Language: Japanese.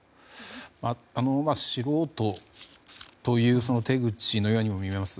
素人という手口のようにも見えます。